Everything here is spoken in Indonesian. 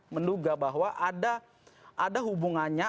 menduga bahwa ada hubungannya